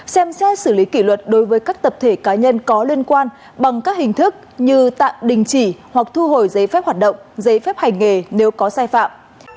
xem xét xử lý kỷ luật đối với các tập thể cá nhân có liên quan bằng các hình thức như tạm đình chỉ hoặc thu hồi giấy phép hoạt động giấy phép hành nghề nếu có sai phạm